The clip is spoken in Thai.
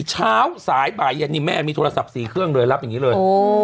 เช้าสายบ่ายเย็นนี่แม่มีโทรศัพท์๔เครื่องเลยรับอย่างนี้เลย